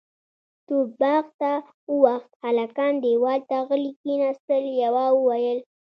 توپ باغ ته واوښت، هلکان دېوال ته غلي کېناستل، يوه وويل: